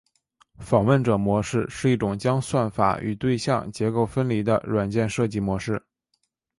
访问者模式是一种将算法与对象结构分离的软件设计模式。